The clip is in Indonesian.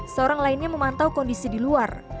seorang lainnya memantau kondisi di luar